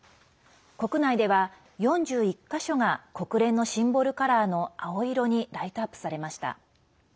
国内では４１か所が国連のシンボルカラーの青色にライトアップされました。